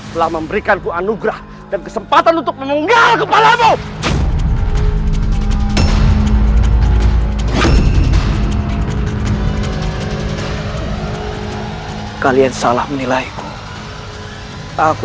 telah memberikanku anugerah dan kesempatan untuk memenggal kepadamu